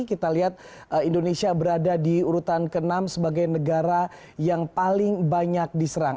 kita lihat indonesia berada di urutan ke enam sebagai negara yang paling banyak diserang